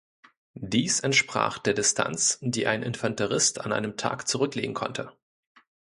Dies entsprach der Distanz die ein Infanterist an einem Tag zurücklegen konnte.